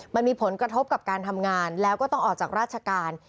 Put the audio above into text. มันมีผลกระทบกับการทำงานแล้วก็ต้องออกจากราชการ